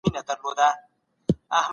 نو په هغه وخت کي به ئې دعاء وکړه.